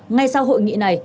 ngay sau hội nghị này